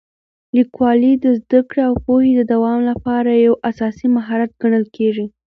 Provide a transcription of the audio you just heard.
لیکوالی د زده کړې او پوهې د دوام لپاره یو اساسي مهارت ګڼل کېږي.